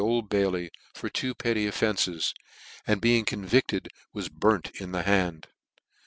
39$ Old Bailey, for two petty offences, and being con vidted, was burnt m the hand.